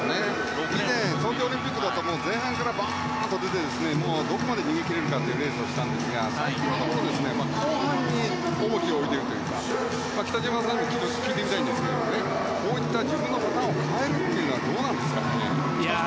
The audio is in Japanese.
６レーン、東京オリンピックだと前半からバーッと出て行ってどこまで逃げ切れるかというレースをしたんですが最近は後半に重きを置いているというか北島さんにも聞いてみたいんですがこういった、自分のパターンを変えるというのはどうなんですかね。